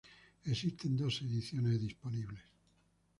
Existen dos ediciones disponibles.